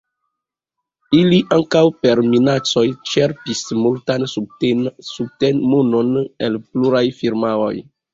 Ili ankaŭ per minacoj ĉerpis multan subten-monon el pluraj firmaoj.